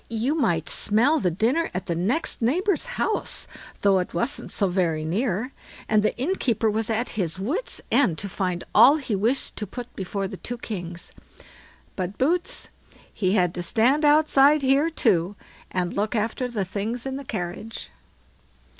you might smell the dinner at the next neighbour's house, though it wasn't so very near; and the innkeeper was at his wits' end to find all he wished to put before the two kings. But Boots, he had to stand outside here too, and look after the things in the carriage.